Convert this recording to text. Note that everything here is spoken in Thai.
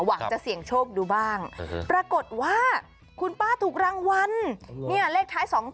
หวังจะเสี่ยงโชคดูบ้างปรากฏว่าคุณป้าถูกรางวัลเนี่ยเลขท้าย๒๗